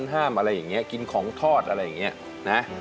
ห้ามอะไรอย่างนี้กินของทอดอะไรอย่างนี้นะ